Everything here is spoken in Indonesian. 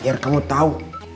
biar kamu tahu